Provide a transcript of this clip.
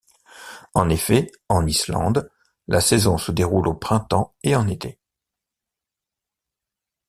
En effet, en Islande, la saison se déroule au printemps et en été.